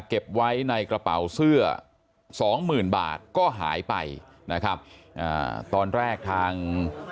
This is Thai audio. เก็บไว้ในกระเป๋าเสื้อ๒๐๐๐๐บาทก็หายไปนะครับตอนแรกทาง